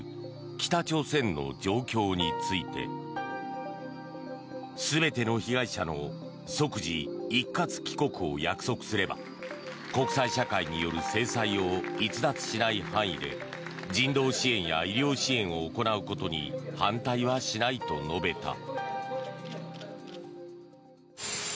北朝鮮の状況について全ての被害者の即時一括帰国を約束すれば国際社会による制裁を逸脱しない範囲で人道支援や医療支援を行うことに反対はしないと述べた。